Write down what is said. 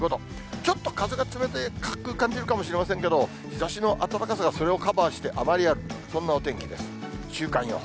ちょっと風が冷たく感じるかもしれませんけど、日ざしの暖かさがそれをカバーして、あまりある、そんなお天気です。